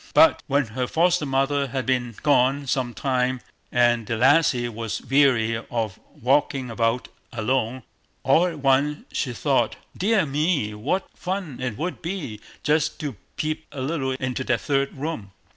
But when her foster mother had been gone some time, and the lassie was weary of walking about alone, all at once she thought, "Dear me, what fun it would be just to peep a little into that third room."